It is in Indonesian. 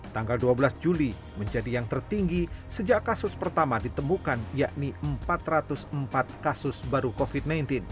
tanggal dua belas juli menjadi yang tertinggi sejak kasus pertama ditemukan yakni empat ratus empat kasus baru covid sembilan belas